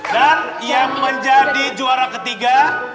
dan yang menjadi juara ketiga